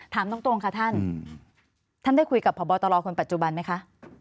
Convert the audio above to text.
ถามตรงค่ะท่านท่านได้คุยกับพบตรคนปัจจุบันไหมคะ